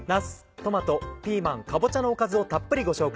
トマトピーマンかぼちゃのおかずをたっぷりご紹介。